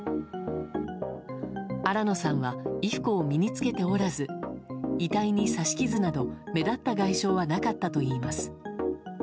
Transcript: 新野さんは衣服を身に着けておらず遺体に刺し傷など目立った外傷はなかったといいます。